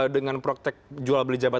dengan praktek jual beli jabatan